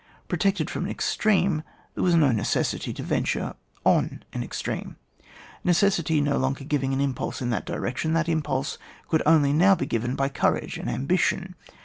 Protected from an extreme, there was no necessity to venture on an extreme. Necessity no longer giving an impulse in that direotion, that impulse could only now be given by courage and ambition.